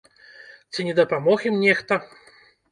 Ці не дапамог ім нехта?